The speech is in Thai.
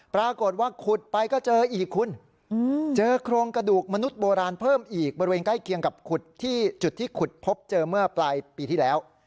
ปรากฏว่าขุดไปก็เจออีกคุณเจอโครงกระดูกมนุษย์โบราณเพิ่มอีกบริเวณใกล้เคียงกับขุดที่จุดที่ขุดพบเจอเมื่อปลายปีที่แล้ว